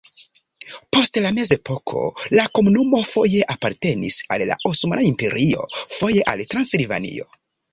Post la mezepoko la komunumo foje apartenis al la Osmana Imperio, foje al Transilvanio.